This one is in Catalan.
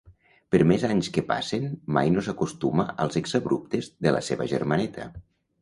Per més anys que passen mai no s'acostuma als exabruptes de la seva germaneta.